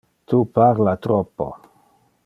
Tu parla troppo.